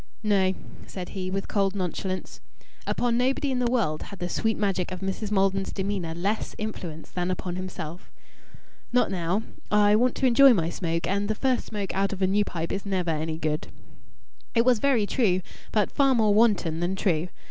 "No," said he, with cold nonchalance. Upon nobody in the world had the sweet magic of Mrs. Maldon's demeanour less influence than upon himself. "Not now. I want to enjoy my smoke, and the first smoke out of a new pipe is never any good." It was very true, but far more wanton than true. Mrs.